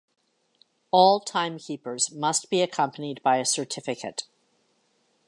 All timekeepers must be accompanied by a certificate.